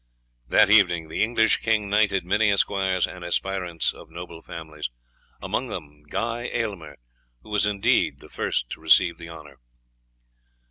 That evening the English king knighted many esquires and aspirants of noble families, among them Guy Aylmer, who was indeed the first to receive the honour.